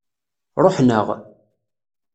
Ṛuḥen-aɣ.